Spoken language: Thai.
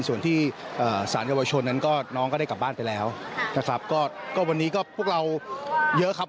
ส่วนที่ศาลสวชนิดก็น้องก็ได้กลับบ้านไปแล้วนะครับ